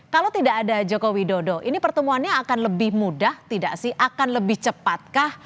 kalau tidak ada jokowi dodo ini pertemuannya akan lebih mudah tidak sih akan lebih cepatkah